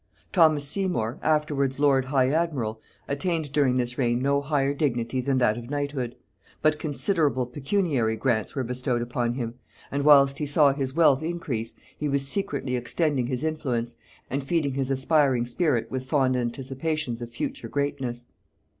Thomas Seymour, afterwards lord high admiral, attained during this reign no higher dignity than that of knighthood; but considerable pecuniary grants were bestowed upon him; and whilst he saw his wealth increase, he was secretly extending his influence, and feeding his aspiring spirit with fond anticipations of future greatness.